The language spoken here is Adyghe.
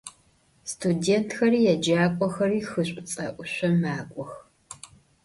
Studêntxeri yêcak'oxeri xı Ş'üts'em mak'ox.